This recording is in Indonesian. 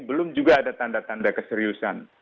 belum juga ada tanda tanda keseriusan